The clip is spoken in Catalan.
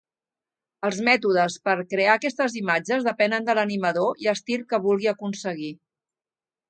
Els mètodes per crear aquestes imatges depenen de l'animador i estil que vulgui aconseguir.